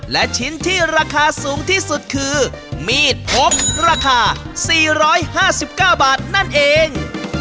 และชิ้นที่ราคาสูงที่สุดคือมีดพกราคา๔๕๙บาทนั่นเอง